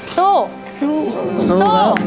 สู้สู้สู้